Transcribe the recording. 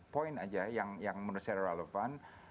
poin aja yang menurut saya relevan